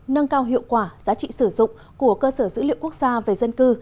nâng cao hiệu quả giá trị sử dụng của cơ sở dữ liệu quốc gia về dân cư